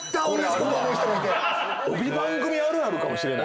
帯番組あるあるかもしれない。